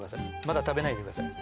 まだ食べないでください